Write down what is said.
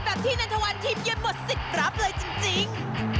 แบบที่ในทะวันทีมเย็นหมด๑๐ตรับเลยจริง